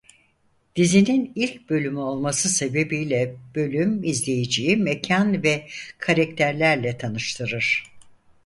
Dizinin ilk bölümü olması sebebiyle bölüm izleyiciyi mekan ve karakterlerle tanıştırır.